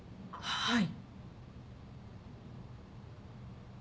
はい。